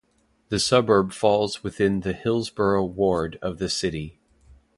The suburb falls within the Hillsborough ward of the City.